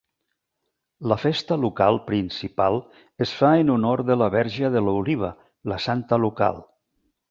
La festa local principal es fa en honor de la "Verge de l'Oliva", la santa local.